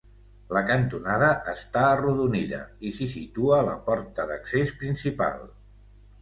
La cantonada està arrodonida i s'hi situa la porta d'accés principal.